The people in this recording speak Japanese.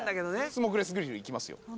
スモークレスグリルいきますよ